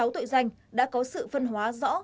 sáu tội danh đã có sự phân hóa rõ